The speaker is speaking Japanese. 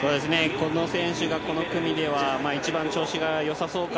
この選手がこの組では一番調子が良さそうです。